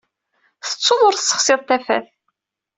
Tettuḍ ur tessexsiḍ tafat.